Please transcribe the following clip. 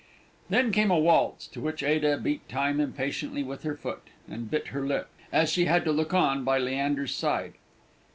Then came a waltz, to which Ada beat time impatiently with her foot, and bit her lip, as she had to look on by Leander's side.